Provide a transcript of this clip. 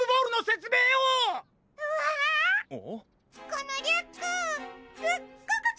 このリュックすっごくかわいい！